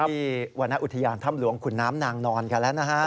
ที่วรรณอุทยานธรรมหลวงคุณน้ำนางนอนกันแล้วนะครับ